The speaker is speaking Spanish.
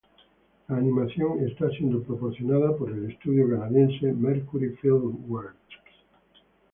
La animación está siendo proporcionada por el estudio canadiense Mercury Filmworks.